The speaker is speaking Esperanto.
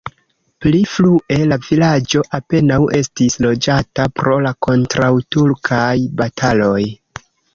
Pli frue la vilaĝo apenaŭ estis loĝata pro la kontraŭturkaj bataloj.